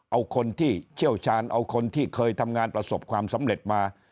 เอาคนที่เชี่ยวชาญเอาคนที่เคยทำงานประสบความสำเร็จมา